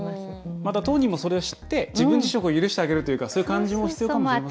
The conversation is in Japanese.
また当人もそれを知って自分自身を許してあげるというかそういう感じも必要かもしれませんね。